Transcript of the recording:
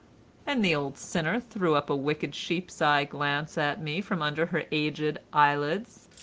And the old sinner threw up a wicked sheep's eye glance at me from under her aged eyelids.